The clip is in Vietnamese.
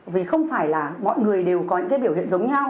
vì không phải là mọi người đều có những cái biểu hiện giống nhau